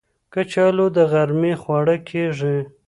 کچالو د غرمې خواړه کېږي